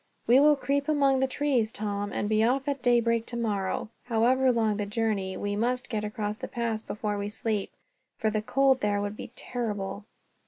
"We will creep among the trees, Tom; and be off at daybreak, tomorrow. However long the journey, we must get across the pass before we sleep, for the cold there would be terrible."